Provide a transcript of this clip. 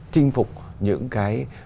chinh phục những cái